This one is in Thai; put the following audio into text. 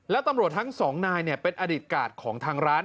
และตำรวจทั้ง๒นายเป็นอดิทธิ์กาดของทางร้าน